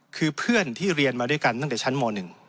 คือเพื่อนที่เรียนมาด้วยกันตั้งแต่ชั้นม๑